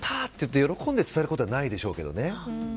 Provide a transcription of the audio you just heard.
と喜んで伝えることはないでしょうけどね。